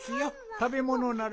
たべものなら。